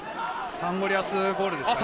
サンゴリアスボールですかね。